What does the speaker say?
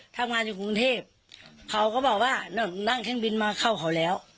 ทำงานอยู่กรุงเทพเขาก็บอกว่านั่งเครื่องบินมาเข้าเขาแล้ว